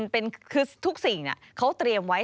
คือทุกสิ่งเขาเตรียมไว้